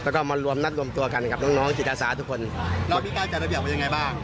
แล้วก็มารวมนัดรวมตัวกันกับน้องน้องจิตอาสาทุกคนเรามีการจัดระเบียบกันยังไงบ้าง